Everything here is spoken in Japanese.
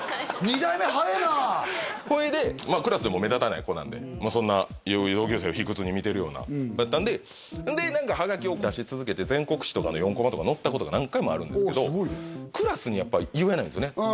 ２代目早えなそれでクラスでも目立たない子なんでそんな同級生を卑屈に見てるような子やったんでんで何かハガキを出し続けて全国誌の４コマとか載ったことが何回もあるんですけどクラスにやっぱ言えないんですよね